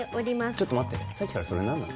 ちょっと待ってさっきからそれ何なの？